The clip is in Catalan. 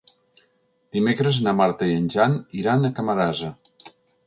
Dimecres na Marta i en Jan iran a Camarasa.